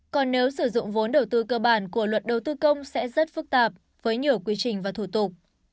còn nếu sử dụng vốn đầu tư cơ bản của luật đầu tư công sẽ rất phức tạp với nhiều quy trình và thủ tục